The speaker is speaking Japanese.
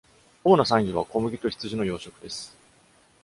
主な産業は小麦と羊の養殖です。